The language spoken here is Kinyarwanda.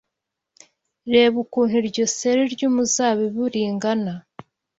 Reba ukuntu iryo seri ry’umuzabibu ringana